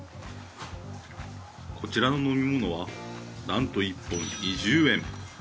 こちらの飲み物はなんと１本２０円。